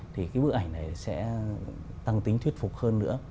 thì cái bức ảnh này sẽ tăng tính thuyết phục hơn nữa